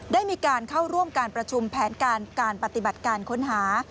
ได้มีการเข้าร่วมการประชุมแผนการการปฏิบัติการค้นหา